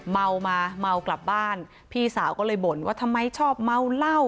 เมามาเมากลับบ้านพี่สาวก็เลยบ่นว่าทำไมชอบเมาเหล้า